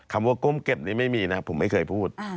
คำว่าก้มเก็บนี้ไม่มีนะผมไม่เคยพูด